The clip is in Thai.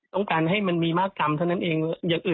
ต้องการให้มีมากกล้ามเท่านั้น